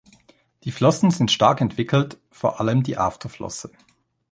Die Flossen sind stark entwickelt, vor allem die Afterflosse.